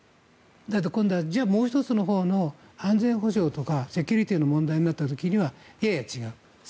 だけど今度はもう１つのほうの安全保障とかセキュリティーの問題になった時には、やや違う。